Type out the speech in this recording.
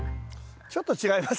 ちょっと違います。